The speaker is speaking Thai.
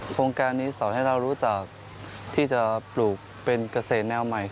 โครงการนี้สอนให้เรารู้จักที่จะปลูกเป็นเกษตรแนวใหม่